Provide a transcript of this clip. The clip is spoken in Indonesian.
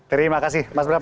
terima kasih mas brahm